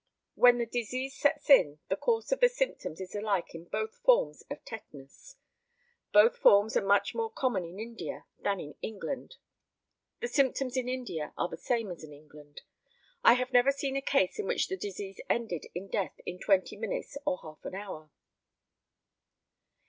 When the disease sets in the course of the symptoms is alike in both forms of tetanus. Both forms are much more common in India than in England. The symptoms in India are the same as in England. I have never seen a case in which the disease ended in death in twenty minutes or half an hour.